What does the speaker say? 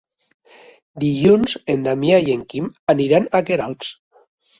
Dilluns en Damià i en Quim aniran a Queralbs.